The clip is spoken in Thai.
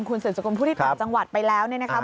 คุณสื่อจังกลมพูดที่ต่อจังหวัดไปแล้วนะครับ